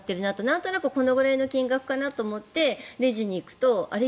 なんとなくこのぐらいの金額だなと思ってレジに行くとあれ？